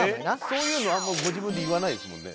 そういうのあんまご自分で言わないですもんね。